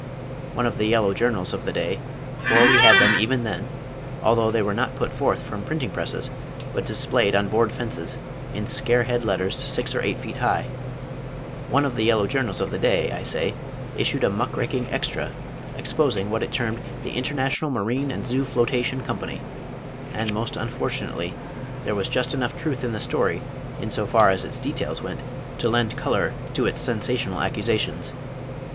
One of the yellow journals of the day for we had them even then, although they were not put forth from printing presses, but displayed on board fences in scare head letters six or eight feet high one of the yellow journals of the day, I say, issued a muck raking Extra, exposing what it termed The International Marine and Zoo Flotation Company, and most unfortunately there was just enough truth in the story in so far as its details went, to lend color to its sensational accusations.